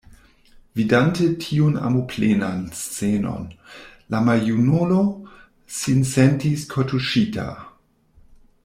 Vidante tiun amoplenan scenon, la maljunulo sin sentis kortuŝita.